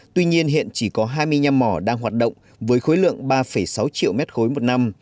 tuy nhiên hiện chỉ có hai mươi năm mỏ đang hoạt động với khối lượng ba sáu triệu m ba một năm